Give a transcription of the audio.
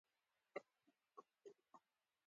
راتلونکي نسلونه به د مطلقې وچکالۍ.